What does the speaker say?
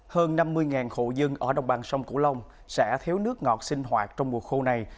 hơn năm mươi hộ dân ở đồng bằng sông cửu long sẽ thiếu nước ngọt sinh hoạt trong mùa khô này